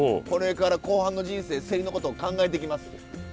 これから後半の人生せりのことを考えていきます。